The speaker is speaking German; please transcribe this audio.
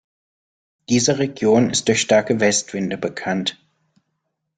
Diese Region ist durch starke Westwinde bekannt.